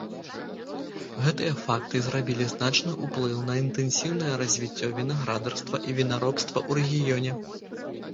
Гэтыя факты зрабілі значны ўплыў на інтэнсіўнае развіццё вінаградарства і вінаробства ў рэгіёне.